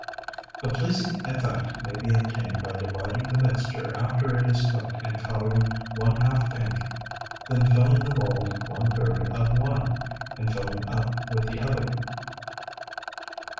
A pleasing effect may be obtained by dividing the mixture after it is cooked, and coloring one half pink, then filling the mold one third of one, and filling up with the other.